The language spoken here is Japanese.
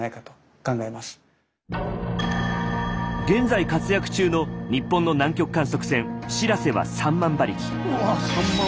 現在活躍中の日本の南極観測船「しらせ」は３万馬力。